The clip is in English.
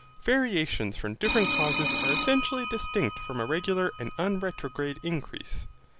Variations from different causes are essentially distinct from a regular and unretrograde increase.